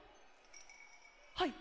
はい。